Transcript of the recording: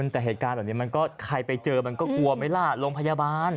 แต่เหตุการณ์เหมือนฆิษฐีกว่าใครไปเจอกวมไฟหล่าลมพยาบาล